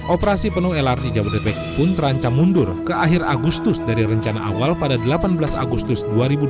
operasi penuh lrt jabodetabek pun terancam mundur ke akhir agustus dari rencana awal pada delapan belas agustus dua ribu dua puluh